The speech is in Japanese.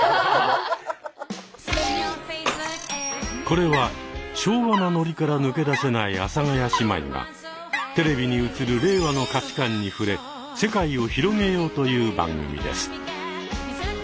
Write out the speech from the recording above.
これは昭和なノリから抜け出せない阿佐ヶ谷姉妹がテレビに映る令和の価値観に触れ世界を広げようという番組です。